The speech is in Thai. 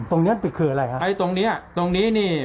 ตรงนี้คืออะไรฮะไอ้ตรงเนี้ยตรงนี้นี่